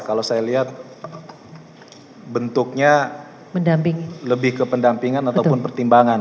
kalau saya lihat bentuknya lebih ke pendampingan ataupun pertimbangan